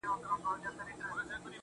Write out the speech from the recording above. • زه بې له تا گراني ژوند څنگه تېر كړم.